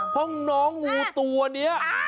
เพราะน้องงูตัวนี้